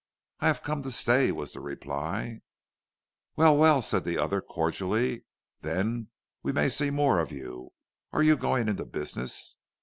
"I have come to stay," was the reply. "Well, well!" said the other, cordially. "Then we may see more of you. Are you going into business?"